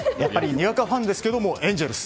にわかファンですけどエンゼルス。